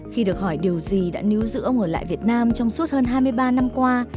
khi được hỏi điều gì đã níu giữa ông ở lại việt nam trong suốt hơn hai mươi ba năm qua